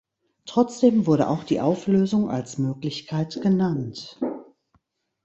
Trotzdem wurde auch die Auflösung als Möglichkeit genannt.